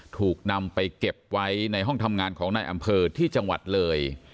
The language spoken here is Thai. ถูกนำไปเก็บไว้ในห้องทำงานของนายอำเภอที่จังหวัดเลย